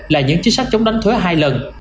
là những chính sách chống đánh thuế hai lần